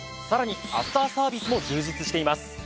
さらにアフターサービスも充実しています。